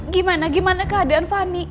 gimana gimana keadaan fani